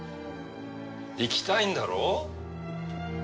行きたいんだろ？